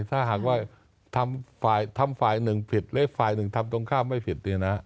ถ้าหากว่าทำฝ่ายทำฝ่ายหนึ่งผิดหรือฝ่ายหนึ่งทำตรงข้ามไม่ผิด